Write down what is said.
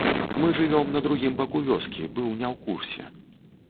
Мы жывём на другім баку вёскі, быў не ў курсе.